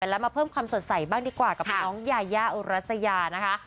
แล้วมาเพิ่มความสดใสบ้างดีกว่ากับน้องยายาอุรัสยานะคะ